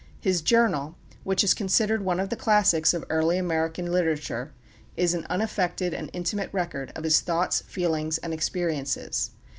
His Journal, which is considered one of the classics of early American literature, is an unaffected and intimate record of his thoughts, feelings, and experiences.